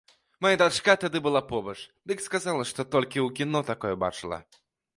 Мая дачка тады была побач, дык сказала, што толькі ў кіно такое бачыла.